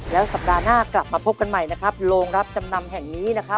แล้วสัปดาห์หน้ากลับมาพบกันใหม่นะครับโรงรับจำนำแห่งนี้นะครับ